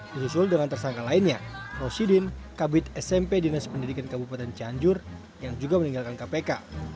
disusul dengan tersangka lainnya rosidin kabit smp dinas pendidikan kabupaten cianjur yang juga meninggalkan kpk